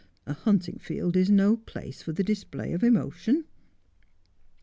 A hunting field is no place for the display of emotion.'